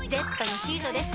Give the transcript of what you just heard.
「Ｚ」のシートです。